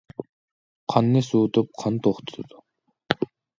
قاننى سوۋۇتۇپ، قان توختىتىدۇ.